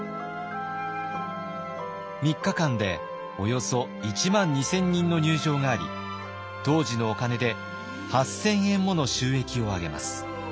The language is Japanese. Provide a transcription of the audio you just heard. ３日間でおよそ１万２，０００人の入場があり当時のお金で８，０００円もの収益を上げます。